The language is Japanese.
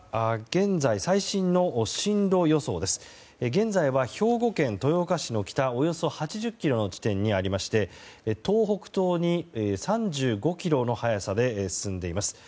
現在は、兵庫県豊岡市の北およそ８０ｋｍの地点にありまして東北東に３５キロの速さで進んでいます。